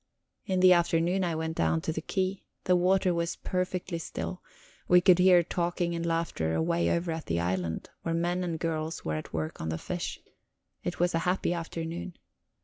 In the afternoon I went down to the quay. The water was perfectly still; we could hear talking and laughter away over at the island, where men and girls were at work on the fish. It was a happy afternoon.